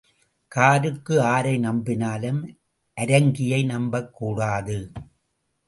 காருக்கு ஆரை நம்பினாலும் அரங்கியை நம்பக் கூடாது.